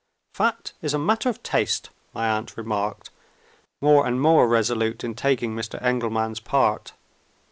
"Fat is a matter of taste," my aunt remarked, more and more resolute in taking Mr. Engelman's part.